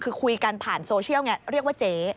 คือคุยกันผ่านโซเชียลไงเรียกว่าเจ๊